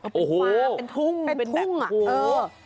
เป็นฟ้าเป็นทุ่งเป็นแบบโอ้โหโอ้โหเป็นทุ่ง